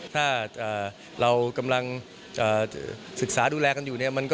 ถ้าเรากำลังศึกษาดูแลกันอยู่เนี่ย